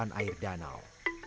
terdapat delapan air danau